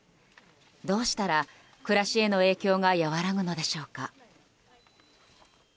どうしたら暮らしへの影響が和らぐのでしょうか。